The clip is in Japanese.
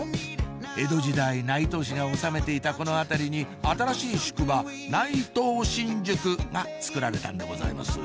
江戸時代内藤が治めていたこの辺りに新しい宿場「内藤新宿」がつくられたんでございます